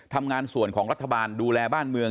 ทำงานส่วนของรัฐบาลดูแลบ้านเมือง